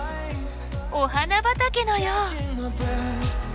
お花畑のよう！